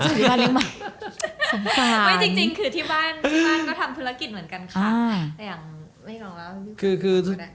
ที่บ้านจะทำธุรกิจเหมือนกัน